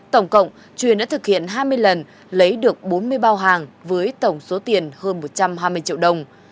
tổng cộng truyền đã thực hiện hai mươi lần lấy được bốn mươi bao hàng